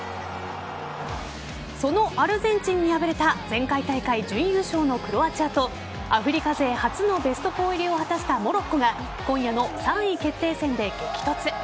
そのアルゼンチンに敗れた前回大会準優勝のクロアチアとアフリカ勢初のベスト４入りを果たしたモロッコが今夜の３位決定戦で激突。